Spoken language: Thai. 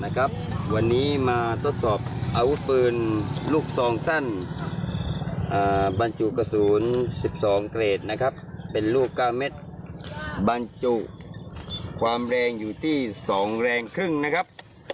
วันนี้มาทดสอบอาวุธปืนลูกซองสั้นบรรจุกระสุน๑๒เกรดนะครับเป็นลูก๙เม็ดบรรจุความแรงอยู่ที่๒แรงครึ่งนะครับ